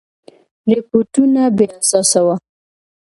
رپوټونه بې اساسه وه.